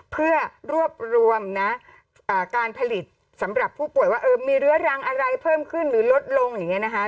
เพื่อรวบรวมนะการผลิตสำหรับผู้ป่วยว่ามีเรื้อรังอะไรเพิ่มขึ้นหรือลดลงอย่างนี้นะคะ